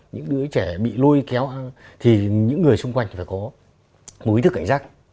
những đứa trẻ bị lôi kéo thì những người xung quanh phải có một ý thức cảnh giác